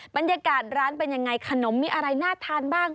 บรรยากาศร้านเป็นยังไงขนมมีอะไรน่าทานบ้าง